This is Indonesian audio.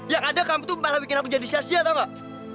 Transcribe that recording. yang ada kamu tuh malah bikin aku jadi siasya tau gak